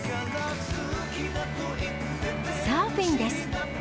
サーフィンです。